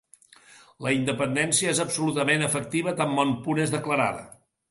La independència és absolutament efectiva tan bon punt és declarada.